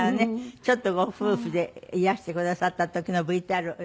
ちょっとご夫婦でいらしてくださった時のＶＴＲお出しします。